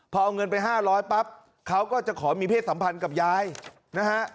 พอเอาเงินไป๕๐๐ปั๊บเขาก็จะขอมีเพศสัมพันธ์กับยายนะฮะ